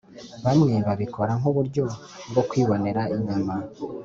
bamwe babikora nk’uburyo bwo kwibonera inyama,